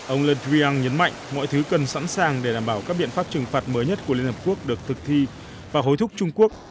ông lee dreang nhấn mạnh mọi thứ cần sẵn sàng để đảm bảo các biện pháp trừng phạt mới nhất của liên hợp quốc được thực thi và hối thúc trung quốc